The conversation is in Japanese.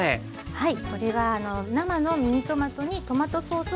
はい。